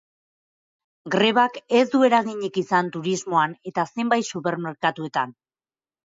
Grebak ez du eraginik izan turismoan eta zenbait supermerkatuetan.